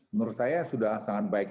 menurut saya sudah sangat baik